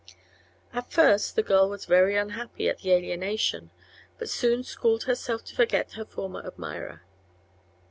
At first the girl was very unhappy at the alienation, but soon schooled herself to forget her former admirer.